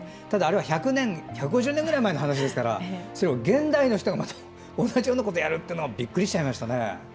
ただ、あれは１５０年ぐらい前の話ですからそれを現代の人が同じようなことやるのというのはびっくりしちゃいましたね。